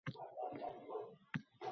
Men ikki daqiqada qaytaman.